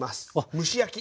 蒸し焼き。